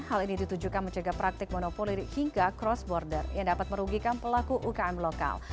hal ini ditujukan mencegah praktik monopolir hingga cross border yang dapat merugikan pelaku ukm lokal